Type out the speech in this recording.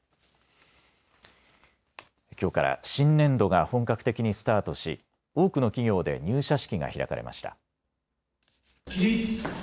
きょうから新年度が本格的にスタートし多くの企業で入社式が開かれました。